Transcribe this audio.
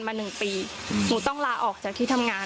หนึ่งปีหนูต้องลาออกจากที่ทำงาน